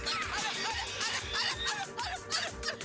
aduh aduh aduh aduh aduh aduh